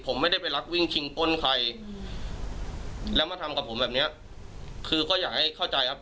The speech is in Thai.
ผมไม่ได้ไปรักวิ่งชิงป้นใครแล้วมาทำกับผมแบบเนี้ยคือก็อยากให้เข้าใจครับ